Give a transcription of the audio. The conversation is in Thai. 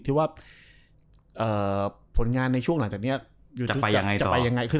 ที่ว่าผลงานในช่วงหลังจากนี้จะไปยังไง